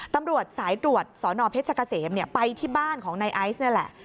ตำรวจสายตรวจสอนอเพชรกะเสมเนี่ยไปที่บ้านของในไอซ์เนี่ยแหละ